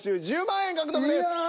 １０万円獲得です。